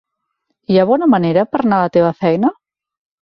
Hi ha bona manera per anar a la teva feina?